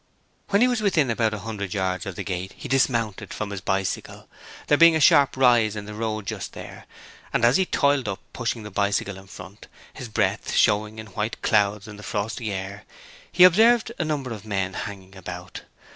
When he was within about a hundred yards of the gate he dismounted from his bicycle, there being a sharp rise in the road just there, and as he toiled up, pushing the bicycle in front, his breath showing in white clouds in the frosty air, he observed a number of men hanging about.